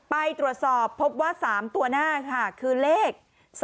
ไปตรวจสอบพบว่า๓ตัวหน้าค่ะคือเลข๒๕